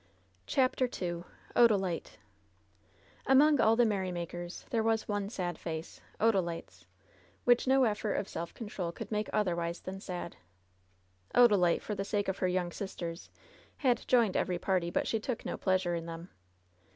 CHAPTER II ODAI.ITE AMOKa all the merry makers there was one sad face — Odalite's — ^which no effort of self control could make otherwise than sad. Odalite, for the sake of her young sisters, had joined every party, but she took no pleasure in them.